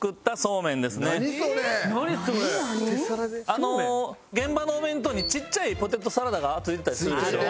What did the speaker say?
あの現場のお弁当にちっちゃいポテトサラダがついてたりするでしょ？